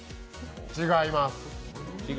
違います。